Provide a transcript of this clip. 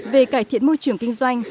về cải thiện môi trường kinh doanh